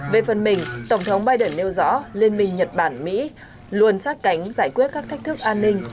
về phần mình tổng thống biden nêu rõ liên minh nhật bản mỹ luôn sát cánh giải quyết các thách thức an ninh